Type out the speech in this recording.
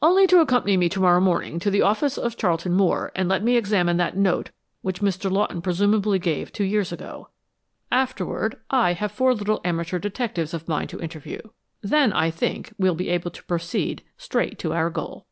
"Only to accompany me to morrow morning to the office of Charlton Moore and let me examine that note which Mr. Lawton presumably gave two years ago. Afterward, I have four little amateur detectives of mine to interview then I think we'll be able to proceed straight to our goal."